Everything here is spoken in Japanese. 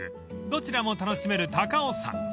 どちらも楽しめる高尾山］